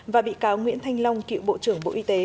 và bị cáo nguyễn thanh long cựu bộ trưởng bộ y tế